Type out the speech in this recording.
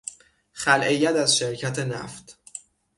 خلع ید از شرکت نفت